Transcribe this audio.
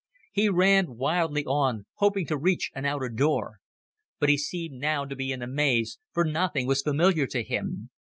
He ran wildly on, hoping to reach an outer door. But he seemed now to be in a maze, for nothing was familiar to him.